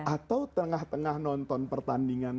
atau tengah tengah nonton pertandingan